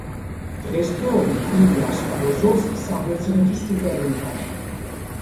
დღესდღეობით კლუბი ასპარეზობს საბერძნეთის სუპერლიგაში.